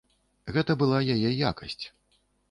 Гэта была яе якасць.